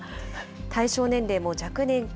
対象年齢も若年化。